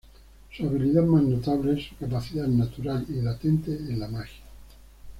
Su habilidad más notable es su capacidad natural y latente en la magia.